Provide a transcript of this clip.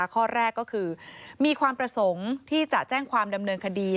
ข้อแรกก็คือมีความประสงค์ที่จะแจ้งความดำเนินคดี